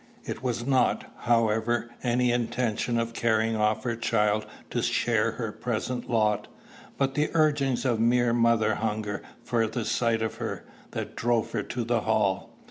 It was not, however, any intention of carrying off her child to share her present lot, but the urgings of mere mother hunger for a sight of her, that drove her to the Hall.